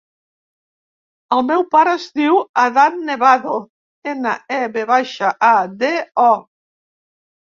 El meu pare es diu Adán Nevado: ena, e, ve baixa, a, de, o.